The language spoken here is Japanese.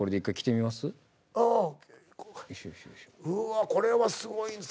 うわこれはすごい。